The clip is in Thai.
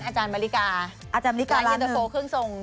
อาจารย์บริการ์อาจารย์บริการ์เย็นเตอร์โฟเครื่องทรง